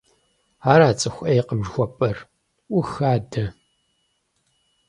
Ара цӀыху Ӏейкъым жыхуэпӀэр? Ӏух адэ!